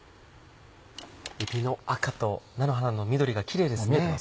えびの赤と菜の花の緑がキレイですね。